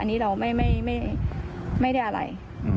อันนี้เราไม่ไม่ไม่ไม่ได้อะไรอืม